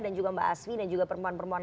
dan juga mbak aswi dan juga perempuan perempuan